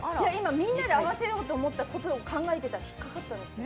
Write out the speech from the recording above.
みんなで合わせようと思ったことを考えてたらひっかりました。